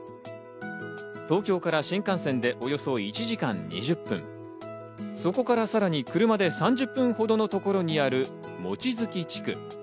東京から新幹線でおよそ１時間２０分、そこからさらに車で３０分ほどのところにある、望月地区。